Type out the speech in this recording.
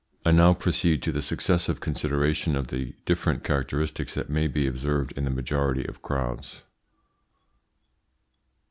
I now proceed to the successive consideration of the different characteristics that may be observed in the majority of crowds.